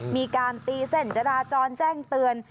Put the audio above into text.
มีการตีเส้นจราจรแจ้งเตือน